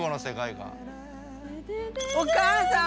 お母さん！